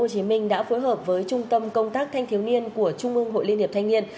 hình đã phối hợp với trung tâm công tác thanh thiếu niên của trung ương hội liên hiệp thanh niên